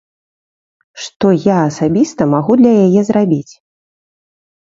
Што я асабіста магу для яе зрабіць?